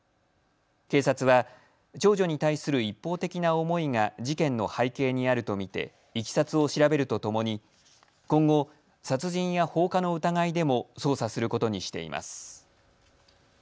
警察は長女に対する一方的な思いが事件の背景にあると見ていきさつを調べるとともに今後、殺人や放火の疑いでも捜査することにしています。